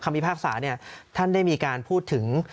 คำพิพากษาเนี่ยท่านได้มีการพูดถึง